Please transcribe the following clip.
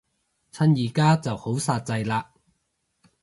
趁而家就好煞掣嘞